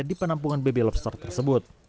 di penampungan bb lobster tersebut